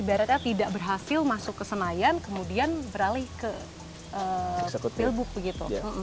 ibaratnya tidak berhasil masuk ke senayan kemudian beralih ke pilbuk begitu